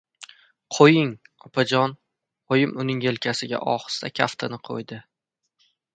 — Qo‘ying, opajon, — oyim uning yelkasiga ohista kaftini qo‘ydi.